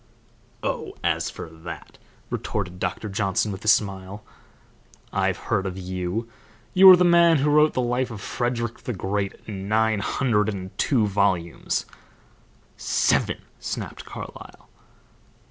"Oh, as for that," retorted Doctor Johnson, with a smile, "I've heard of you; you are the man who wrote the life of Frederick the Great in nine hundred and two volumes " "Seven!" snapped Carlyle.